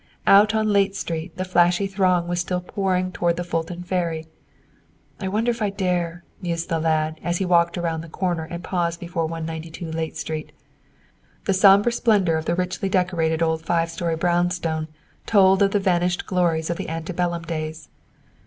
Out on Layte Street the flashy throng was still pouring toward the Fulton Ferry. "I wonder if I dare," mused the lad, as he walked around the corner and paused before No. 192 Layte Street. The sober splendor of the richly decorated old five story brownstone told of the vanished glories of the ante bellum days.